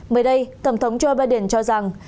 mới đây tổng thống joe biden cho rằng